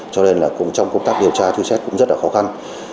cho nên trong công tác điều tra truy xét cũng rất khó khăn